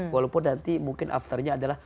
walaupun nanti mungkin afternya adalah